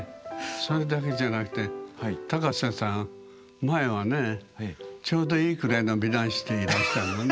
それだけじゃなくて高瀬さん前はねちょうどいいくらいの美男子でいらしたのね。